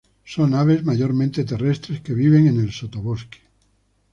Son aves mayormente terrestres, que viven en el sotobosque.